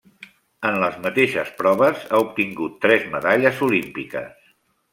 En les mateixes proves ha obtingut tres medalles olímpiques.